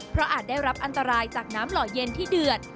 เพราะอาจได้รับอันตรายจากน้ำหล่อเย็นที่เดือด